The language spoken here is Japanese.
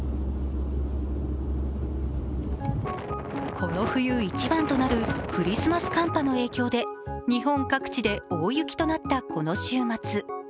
この冬一番となるクリスマス寒波の影響で日本各地で大雪となったこの週末。